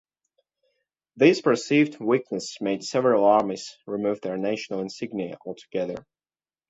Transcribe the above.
This perceived weakness made several armies remove their national insignia altogether.